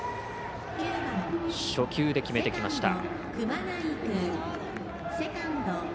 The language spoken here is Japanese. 初球で決めてきました。